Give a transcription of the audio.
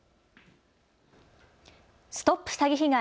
ＳＴＯＰ詐欺被害！